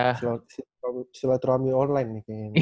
tetep bersilaturahmi online nih kayaknya